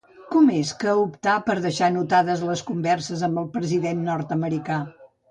Com és que optà per deixar anotades les converses amb el president nord-americà?